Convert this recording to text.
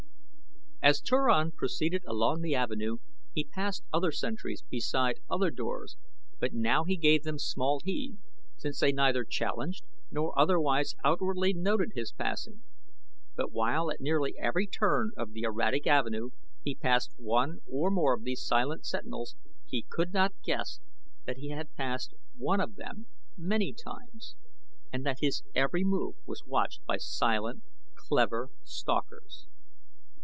As Turan proceeded along the avenue he passed other sentries beside other doors but now he gave them small heed, since they neither challenged nor otherwise outwardly noted his passing; but while at nearly every turn of the erratic avenue he passed one or more of these silent sentinels he could not guess that he had passed one of them many times and that his every move was watched by silent, clever stalkers.